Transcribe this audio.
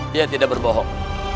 dia tidak berbohong